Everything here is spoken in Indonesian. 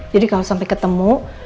jadi kalau sampai ketemu